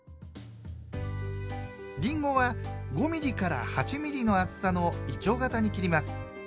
りんごは５ミリから８ミリの厚さのいちょう形に切ります。